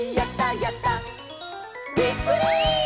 やった！びっくり！」